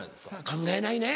考えないね。